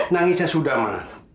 nangisnya sudah ma